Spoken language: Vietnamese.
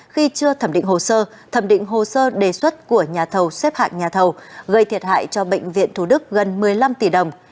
khi chưa thẩm định hồ sơ thẩm định hồ sơ đề xuất của nhà thầu xếp hạng nhà thầu gây thiệt hại cho bệnh viện thủ đức gần một mươi năm tỷ đồng